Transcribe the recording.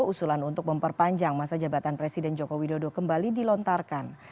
usulan untuk memperpanjang masa jabatan presiden joko widodo kembali dilontarkan